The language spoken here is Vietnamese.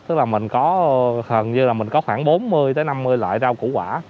tức là mình có hình như là mình có khoảng bốn mươi tới năm mươi loại rau củ quả